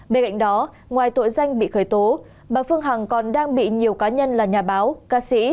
bên cạnh đó ngoài tội danh bị khởi tố bà phương hằng còn đang bị nhiều cá nhân là nhà báo ca sĩ